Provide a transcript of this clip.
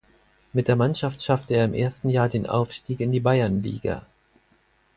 Mit der Mannschaft schaffte er im ersten Jahr den Aufstieg in die Bayernliga.